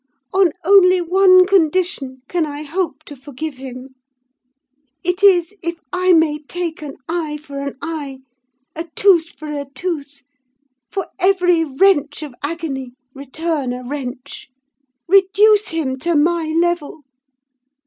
On only one condition can I hope to forgive him. It is, if I may take an eye for an eye, a tooth for a tooth; for every wrench of agony return a wrench: reduce him to my level.